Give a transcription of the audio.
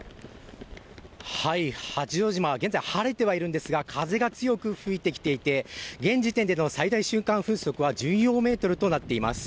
八丈島は現在晴れてはいるんですが風が強く吹いてきていて現時点での最大瞬間風速は１４メートルとなっています。